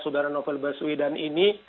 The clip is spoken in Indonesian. saudara novel baswi dan ini